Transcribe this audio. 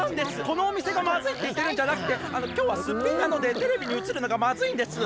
このおみせがまずいっていってるんじゃなくてきょうはすっぴんなのでテレビにうつるのがまずいんです。